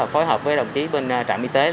phối hợp với đồng chí bên trạm y tế